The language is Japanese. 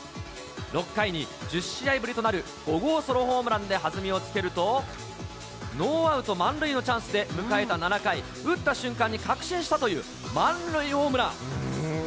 ６回に１０試合ぶりとなる５号ソロホームランで弾みをつけると、ノーアウト満塁のチャンスで迎えた７回、打った瞬間に確信したという満塁ホームラン。